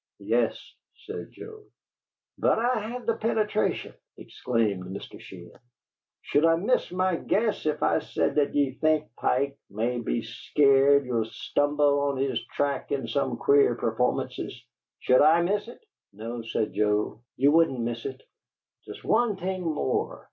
"Yes," said Joe. "But I have the penetration!" exclaimed Mr. Sheehan. "Should I miss my guess if I said that ye think Pike may be scared ye'll stumble on his track in some queer performances? Should I miss it?" "No," said Joe. "You wouldn't miss it." "Just one thing more."